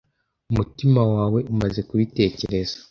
umutima wawe umaze kubitekereza